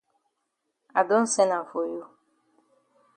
I don sen am for you.